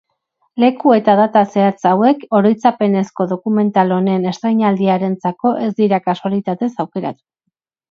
Leku eta data zehatz hauek oroitzapenezko dokumental honen estreinaldiarentzako ez dira kasualitatez aukeratu.